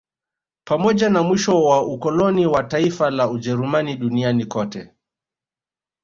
Pamoja na mwisho wa ukoloni wa taifa la Ujerumani duniani kote